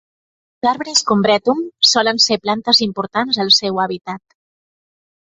Els arbres "Combretum" solen ser plantes importants al seu hàbitat.